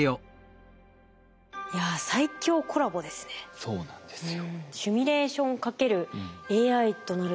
いやそうなんですよ。